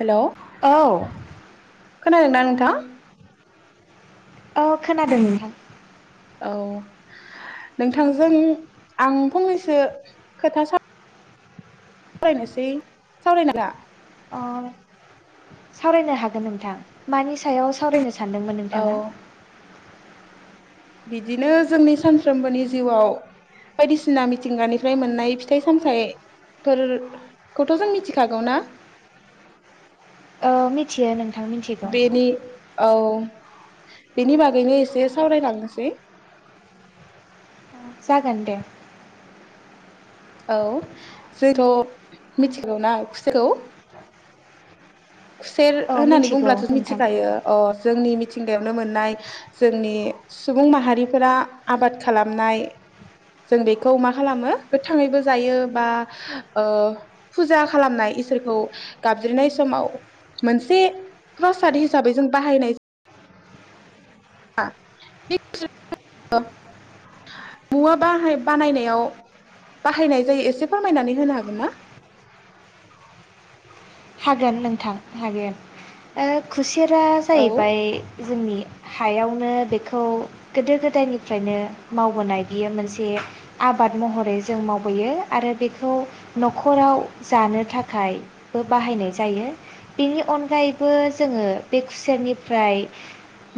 हेल' औ खोनादों ना नोंथां? औ खोनादों नोंथां। औ नोंथांजों आं फंनैसो खोथासा वरायनोसै सावराय [unintelligible] अ सावरायनो हागोन नोंथां मानि सायाव सावरानोसै सानदोंमोन औ नोंथाङा। बिदिनो जोंनि सानफ्रो जिउआव बायदिसिना मिथिंगानिफ्राय मोननाय फिथाइ सामथाइफोरखौ जों मिथिखागौ ना? ओ मिथियानो नों नोंथां मिथिगौ। बेनि औ बेनि बादैनो एसे सावरायलांनोसै जागोन दे। औ। खुसेर औ होननानै मिथिगौ बुङोब्लाथ' नोंथां मिथिखायो ओ जोंयि मिथिंगायावनो मोननाय जोंनि सुबुं माहारिफ्रा आबाद खालामनाय जों बिखौ मा खालामो गोथांयैबो जायो बा ओ पुजा खालामनाय इसोरखौ गाबज्रिनाय समाव मोनसे प्रसाद हिसाबै जों बाहायनाय [unintelligible] मुबा बाहाय बानायनायाव बाहायनाय जायो एसे फोरमायना होनो हागोन ना? हागोन नोंथां हागोन। खुसेरा औ जाहैबाय जोंनि हायावनो बिखौ गोदो गोदायनिफ्रायनो मावबोनाय बियो मोनसे आबाद महरै जों मावबोयो आरो बिखौ न'खराव जानो थाखाय बाहायनाय जायो बिनि अनगायैबो जोङो बे खुसेरनिफ्राय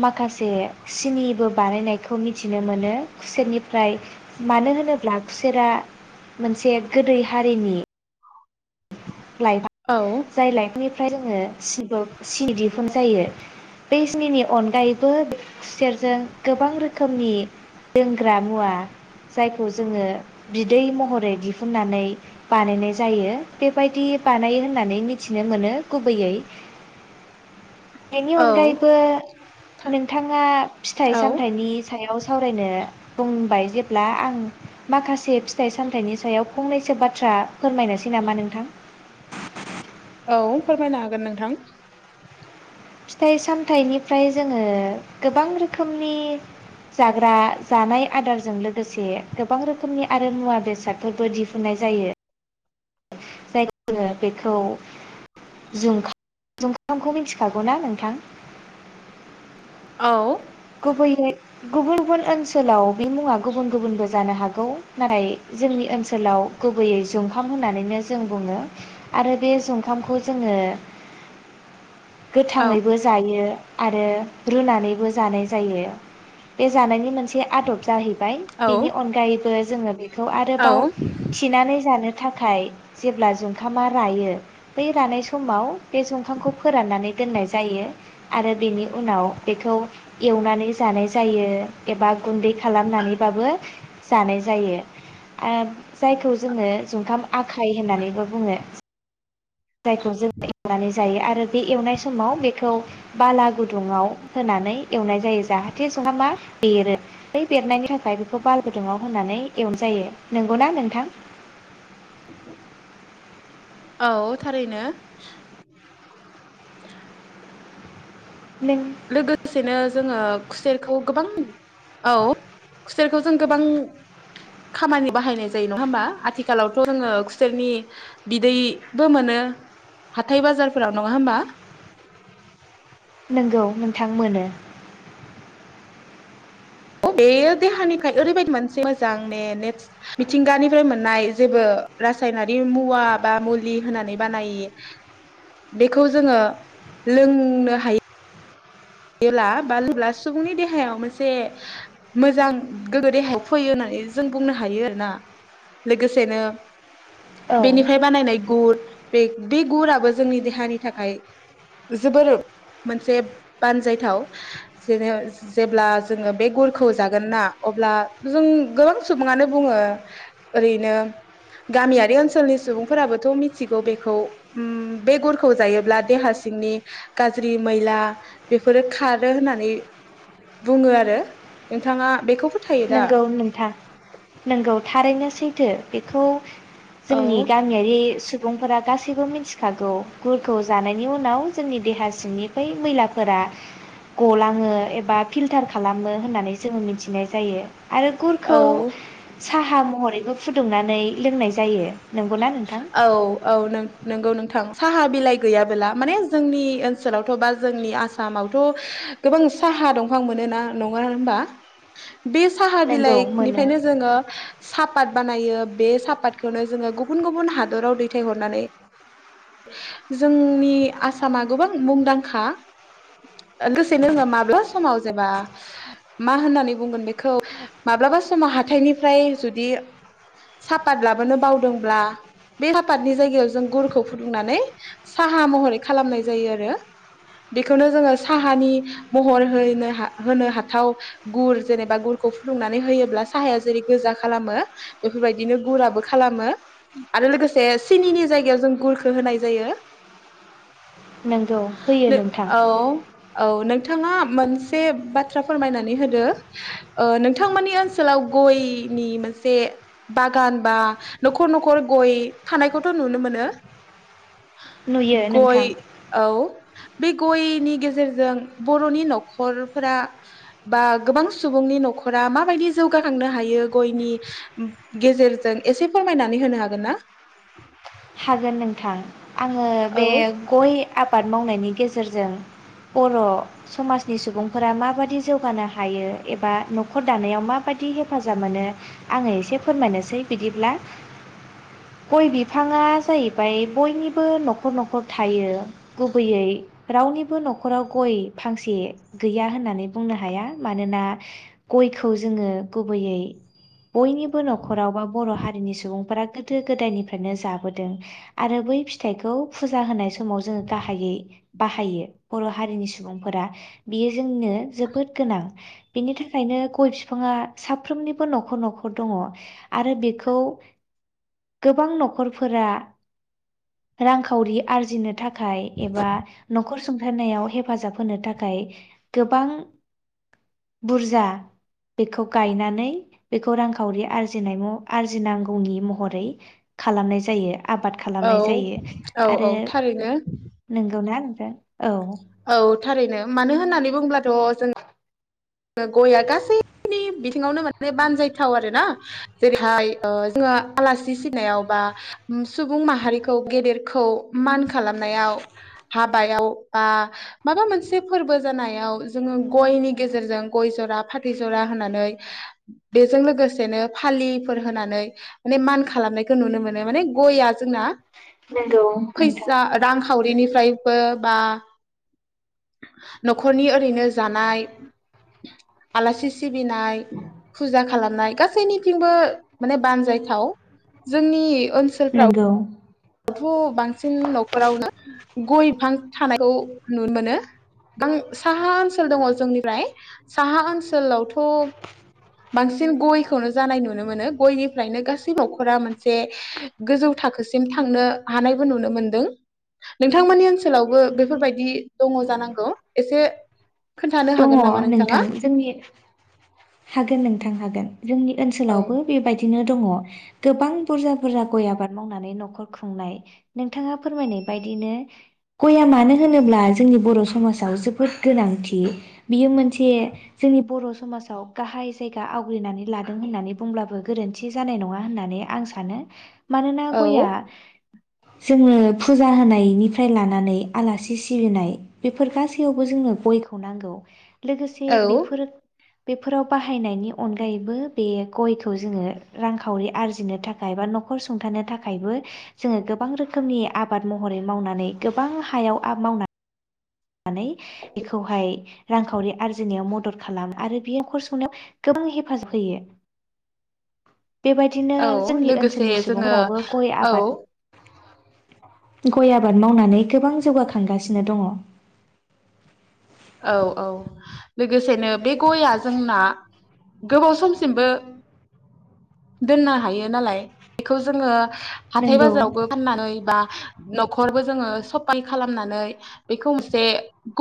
माखासे बे सिनिबो बानायनायखौ मिथिनो मोनो खुसेरनिफ्राय मानो होनोब्ला खुसेरा मोनसे गोदै हारिनि लाइफ औ जाय लाइफनि फ्राय जोङो [unintelligible] जायो बे सिनिनि अनगायैबो खुसेरजों गोबां रोखोमनि लोंग्रा मुवा जायखौ जोङो बिदै महरै दिहुननानै बानायनाय जायो बे बायदि बानायो होननानै मिथिनो मोनो गुबैयै। बेनि औ अनगायैबो नोंथाङा फिथाइ औ सामथाइनि सायाव सावरायनो बुंबाय जेब्ला आं माखासे फिथाइ सामथाइनि सायाव आं फंनैसो बाथ्रा फोरमायनोसै नामा नोंथां? औ फोरमायनो हागोन नोंथां। फिथाइ सामथाइनिफ्राय जोङो गोबां रोखोमनि जाग्रा जानाय आदारजों लोगोसे गोबां रोखोमनि आरो मुवा बेसाद बो दिहुननाय जायो। बेखौ जुमखामखौ मिथिखागौ ना नोंथां? औ। गुबैयै गुबुन गुबुन ओनसोलाव बे मुङा गुबुन गुबुनबो जानो हागौ नाथाय जोंनि ओनसोलाव गुबैयै जुखाम होननानै जों बुङो आरो बे जुखामखौ जोङो औ गोथाङैबो जायो। आरो रुनानैबो जानाय ज जायो बे जानायनि मोनसे आदब जाहैब बाय औ बिनि अनगायैबो जोङो बेखौ आरोबाव औ थिनानै जानो थाखाय जेब्ला जुंखामा रायो बै रानाय समाव बे जुंखामखौ फोरान्नानै दोननाय जायो। आरो बेनि उनाव बेखौ एवनानै ज जानाय जायो एबा गुन्दै खालामनानैबाबो जानाय जायो ओ जायखौ जोङो जुंखाम आखाय होननानैबो बुङो। जायखौ जोङो एवनानै जायो आरो बे एवनाय समाव बेखौ बाला गुदुङाव होनानै एवनाय जायो जाहाथे जुंखामा बेरो बै बेरनायनि थाखाय बेखौ बाला गुदुङाव होनानै एवनाय जायो नंगौना नोंथां? औ थारैनो। [inaudible] नों लोगोसेनो जोङो खुसेरखौ गोबां औ। खुसेरखौ जों गोबां खामानि बाहायनाय जायो नङा होमबा आथिखालावथ' जोङो खुसेरनि बिदैबो मोनो हाथाय बाजारफोराव नङा होमबा। नोंगौ नोंथां मोनो। बेयो देहानिखाय ओरैबायदि मोनसे मोजां ने-नेस मिथिंगानिफ्राय मोननाय जेबो रासायनारि मुवा बा मुलि होनानै बानायि बेखौ जोङो लोंनो हायो। जेला बा लोबब्ला सुबुंनि देहायाव मोनसे मोजां गोग्गो देहायाव फैयो होननानै जों बुंनो हायो आरोना लोगोसेनो औ बेनिफाय बानायनाय गुर बे बे गुराबो जोंनि देहानि थाखाय जोबोर मोनसे बानजायथाव जेने-जेब्ला जोङो बे गुरखौ जागोन ना अब्ला जों गोबां सुबुङानो बुङो ओरैनो गामियारि ओनसोलनि सुबुंफोराबोथ' मिथिगौ बेखौ उम बे गुरखौ जायोब्ला देहा सिंनि गाज्रि मैला बेफोरो खारो होननानै बुङो आरो नोंथाङा बेखौ फो नोंगौ नोंथां नोंगौ थारैनो सैथो। बेखौ औ जोंनि गामियारि सुब सुबुंफोरा गासैबो मिथिखागौ गुरखौ जानायनि उनाव जोंनि देहा सिंनि बै मैलाफोरा गलाङो एबा फिल्टार खालामो होननानै जोङो मिथिनाय जायो। आरो गुरखौ औ साहा महरैबो फुदुंनानै लोंनाय जायो। नंगौना नोंथां औ औ नोंग-नोंगौ नों थां साहा बिलाय गैयाबोला माने जोंनि ओनसोलावथ' बा जोंनि आसामावथ' गोबां साहा दंफां मोनो ना नङा होमबा। बे साहा नंगौ मोनो बिलायकनिफायनो जोङो सापात बानायो बे सापादखौनो जोङो गुब गुबुन गुबुन हादराव दैथायहरनानै जोंनि आसामा गोबां मुंदांखा लोगोसेनो जोङो माब्लाबा समाव जेबा मा होननानै बुंगोन बेखौ माब्लाबा समाव हाथायनिफ्राय जुदि सापात लाबोनो बावदों ब्ला बे सापादनि जायगायाव जों गुरखौ फुदुंनानै साहा महरै खालामनाय जायो आरो बेखौनो जोङो साहानि महर होनो हा-होनो हाथाव गुर जेनेबा गुरखौ फुदुंनानै होयोब्ला साहाया जेरै गोजा खालामो बेफोरबायदिनो गुराबो खालामो। आरो लोगोसे सिनिनि जायगायाव जों गुरखो होनाय जायो। नोंगौ होयो नोंथां। औ औ नोंथाङा मोनसे बाथ्रा फोरमायनानै होदो ओ नोंथांमोनानि ओनसोलाव गयनि मोनसे बागान बा न'खर न'खर गय थानायखौथ' नुनो मोनो। नुयो गय नोंथां औ बे गयनि गेजेरजों बर'नि न'खरफोरा बा गोबां सुबुंनि न'खरा माबायदि जौगाखांनो हायो गयनि गेजेरजों एसेफोर मायनानै होनो हागोन ना? हागोन नोंथां। आङो औ बे गय आबाद मावनायनि गेजेरजों बर' समाजनि सुबुंफोरा माबायदि जौगानो हायो एबा न'खर दानायाव माबायदि हेफाजाब मोनो आङो एसे फोरमायनोसै बिदिब्ला गय बिफां आ जाहैबाय बयनिबो न'खर न'खर थायो गुबैयै रावनिबो न'खराव गय फांसे गैया होननानै बुंनो हाया मानोना गयखौ जोङो गुबैयै बयनिबो न'खराव बा बर' हारिनि सुबुंफोरा गोदो गोदायनिफ्रायनो जाब बोदों आरो बै फिथायखौ फुजा होनाय स समाव जों गाहायै बाहायो बर' हारिनि सुबुंफोरा बेयो जोंनो जोबोद गोनां। बिनि थाखायनो गय बिफाङा साफ्रोमनिबो न'खर न'खर दङ आरो बेखौ गोबां न'खर फोरा रांखावरि आरजिनो थाखाय थाखाय एबा न'खर सं होनायाव हेफाजाब होनो थाखाय, गोबां बुरजा बेखौ गायनानै बेखौ रांखावरि आरजिनाय आरजिनांगौनि महरै खालामनाय जायो। जायो। आबाद औ खालामनाय जायो औ आरो औ थारैनो नोंगौना औ। औ थारैनो मानो होननानै बुंब्लाथ'? जों गय आ गासैनि बिथिङावनो माने बानजायथाव आरोना, जेरैहाय जोङो आलासि फैनायाव बा सुबुं माहारिखौ गेदेरखौ मान खालामनायाव हाबायाव बा माबा मोनसे फोरबो जानायाव जोङो गयनि गेजेरजों जों गय जरा फाथै जरा होनानै, बेजों लोगोसेनो फालिफोर होनानै। माने मान खालामनायखौ नुनो मोनो माने गयया जोंना नंगौ नोंथां। सावरिनिफ्रायबो बा न'खरनि ओरैनो जानाय आलासि सिबिनाय फुजा खालामनाय गासैनिथिंबो माने बानजायथाव जोंनि ओनसोलफ्राव नंगौ थ' बांसिन न'खरावनो गय बिफां थानायखौ नुनो मोनो, साहा ओनसोल दङ जोंनिफ्राय साहा ओनसोलावथ' बांसिन गयखौनो जानाय नुनो मोनो। गयनिफ्रायनो गासै न'खरा मोनसे गोजौ थाखोसिम थांनो हानायबो नुनो मोनदों, नोंथांमोननि ओनसोलावबो बेफोरबायदि दङ जानांगौ एसे खोन्थानो दङ हागोन नामा नोंथाङा नोंथां जोंनि हागोन नोंथां हागोन जोंनि औ ओनसोलावबो बेबायदिनो दङ। गोबां बुरजा बुरजा गय आबाद मावनानै न'खर खुंनाय, नोंथाङा फोरमायनाय बायदिनो, गआ मानो होनोब्ला? जोंनि बर' समाजाव जोबोद गोनांथि। बियो मोनसे जोंनि बर' समाजाव गाहाय जायगा आवग्रिनानै लादों होननानै बुंब्लाबो गोरोन्थि जानाय नङा होननानै आं सानो। मानोना औ गया जोङो फुजा होनायनिफ्राय लानानै आलासि सिबिनाय बेफोर गासैयावबो जोङनो गयखौ नांगौ। लोगोसे औ बेफोर। बेफोराव बाहायनायनि अनगायैबो, बे गयखौ जोङो रांखावरि आरजिनो थाखाय बा नखर सुंथानो थाखायबो जोङो गोबां रोखोमनि आबाद महरै मावनानै गोबां हायाव मावनानै नानै‌ बेखौहाय रांखावरि आरजिनायाव मदद खालामो आरो बे नखर संनायाव गोबां हेफाजाब होयो। बेबायदिनो औ जोंनि लोगोसे ओनसोलनि जोङो सुबुंफोराबो गय औ आबाद गय आबाद मावनानै गोबां जौगाखांगासिनो दङ। औ औ लोगोसेनो बे गयआ जोंना गोबाव समसिमबो दोननो हायो नालाय, बेखौ जोङो हाथाय नंगौ बाजारावबो फाननानै बा नखरबो जोङो सफाल खालामनानै बेखौ मोनसे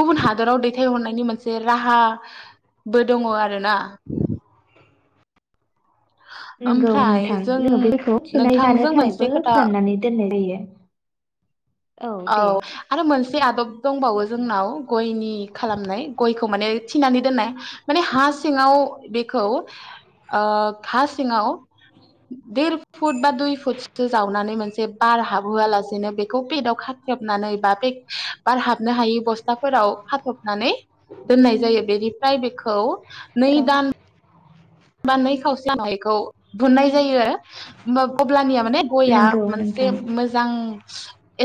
गुबुन हादराव दैथायहरनायनि मोनसे राहा बो दङ आरो ना? नंगौ ओमफ्राय नोंथां जों जोङो बेखौ थिनाय जानो नोंथांजों मोनसे थाखायबो खोथा फोराननानै दोननाय जायो। औ आरो मोनसे से आदब दंबावो जोंनाव गयनि खालामनाय गयखौ माने थिनानै दोननाय। माने हा सिङाव बेखौ ओ हा सिङाव देर फुट बा दुइ फुटसो जावनानै मोनसे बार हाबहोआलासिनो बेखौ पेदाव खा थोबनानै बा‌ पेक बार हाबनो हायि बस्थाफोराव खाथबनानै दोननाय जायो। बेनिफ्राय बेखौ नै औ दान बा नै खावसे नायखौ बुनाय जायो उम अब्लानिया माने गया नंगौ मोनसे नोंथां मोजां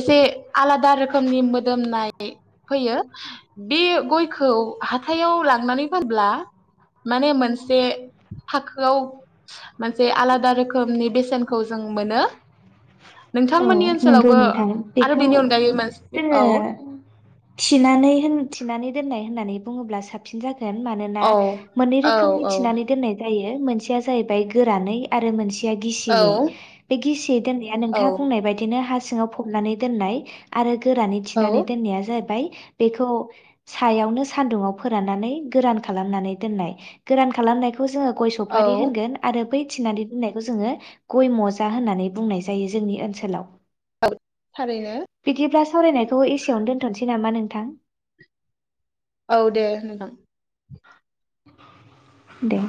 एसे आलादा रोखोमनि मोदोमनाय फैयो। बे गयखौ हाथाइयाव लांनानै फानब्ला माने मोनसे थाखोआव मोनसे आलादा रोखोमनि बे सेनखौ जों मोनो। औ नोंथांमोननि नंगौ ओनसोलावबो नोंथां। आरो बेखौ बेनि अनगायै मोनसे जोङो औ थिनानै होन थिनानै दोननाय होननानै बुङोब्ला साबसिन जागोन। गोन‌ मानोना औ मोननै औ रोखोमनि औ थिनानै दोननाय जायो। मोनसेया जाहैबाय गोरानै आरो मोनसे या गिसियै। बे गिसियै दोननाया औ नोंथां बिदिनो हा सिङाव फबनानै दोननाय आरो गोरानै थिनानै औ दोननाया जाहैबाय बेखौ सायावनो सानदुङाव फोराननानै गोरान खालामनानै दोननाय। गोरान खालामनाय खौ जोङो गय सफारि औ होनगोन आरो बै थिनानै दोननायखौ जोङो गय मजा होननानै बुंनाय जायो जोंनि ओन सोलाव। थारैनो बिदिब्ला सावरायनायखौ एसेयावनो दोनथ'नोसै नामा नोंथां? औ दे नोंथां। दे।